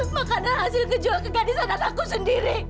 makanan hasil ngejual ke gadis anak aku sendiri